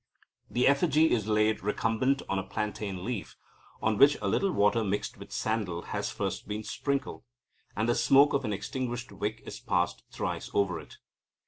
The effigy is laid recumbent on a plantain leaf, on which a little water mixed with sandal has first been sprinkled, and the smoke of an extinguished wick is passed thrice over it.